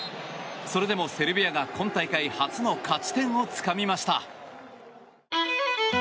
それでもセルビアが今大会初の勝ち点をつかみました。